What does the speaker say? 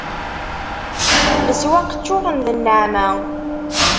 Leswaq ččuren d nneɛma